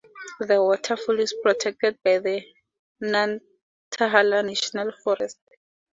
The waterfall is protected by the Nantahala National Forest.